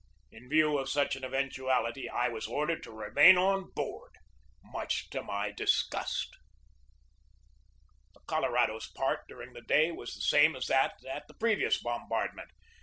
In view of such an event uality I was ordered to remain on board, much to my disgust. The Colorado's part during the day was the same as that at the previous bombardment.